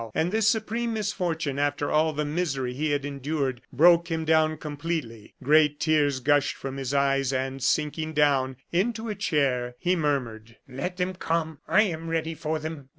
And this supreme misfortune, after all the misery he had endured, broke him down completely. Great tears gushed from his eyes, and sinking down into a chair, he murmured: "Let them come; I am ready for them.